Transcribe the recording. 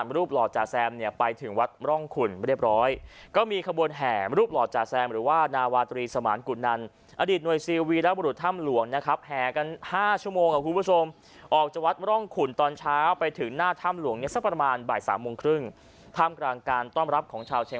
รูปหล่อจ่าแซมเนี่ยไปถึงวัดร่องขุนเรียบร้อยก็มีขบวนแห่รูปหล่อจาแซมหรือว่านาวาตรีสมานกุนันอดีตหน่วยซิลวีรบุรุษถ้ำหลวงนะครับแห่กัน๕ชั่วโมงครับคุณผู้ชมออกจากวัดร่องขุนตอนเช้าไปถึงหน้าถ้ำหลวงเนี่ยสักประมาณบ่ายสามโมงครึ่งท่ามกลางการต้อนรับของชาวเช